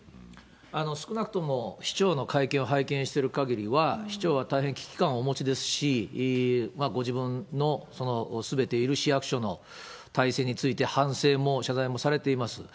少なくとも市長の会見を拝見しているかぎりは、市長は大変危機感をお持ちですし、ご自分の勤めている市役所の体制について、反省も謝罪もされています。